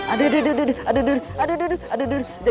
aduh aduh aduh